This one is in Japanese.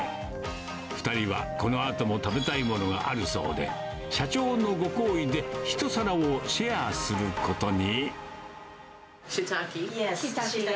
２人はこのあとも食べたいものがあるそうで、社長のご厚意で、１皿をシェアすることに。